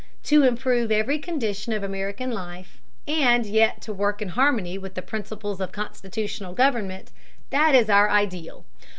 To improve every condition of American life, and yet to work in harmony with the principles of constitutional government, that is our ideal.